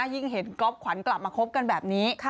ยิ่งเห็นก๊อฟขวัญกลับมาคบกันแบบนี้